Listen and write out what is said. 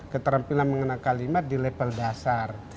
keterampilan mengenal kalimat di level dasar